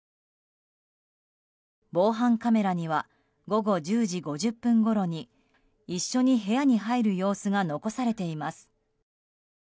防犯カメラには午後１０時５０分ごろに一緒に部屋に入る様子が残されています。